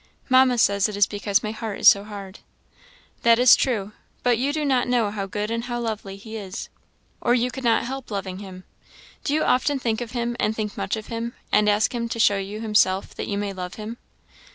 "Mamma says it is because my heart is so hard." "That is true; but you do not know how good and how lovely he is, or you could not help loving him. Do you often think of him, and think much of him, and ask him to show you himself, that you may love him?"